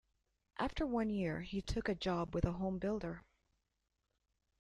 After one year, he took a job with a home builder.